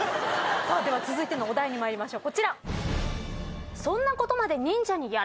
さあでは続いてのお題に参りましょうこちら。